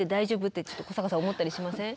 って古坂さん思ったりしません？